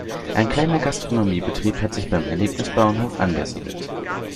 Ein kleiner Gastronomiebetrieb hat sich beim Erlebnisbauernhof angesiedelt.